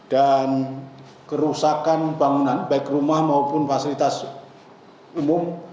dan kerusakan bangunan baik rumah maupun fasilitas umum